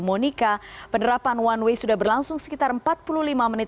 monika penerapan one way sudah berlangsung sekitar empat puluh lima menit